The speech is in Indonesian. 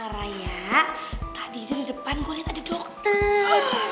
raya tadi itu di depan gue liat ada dokter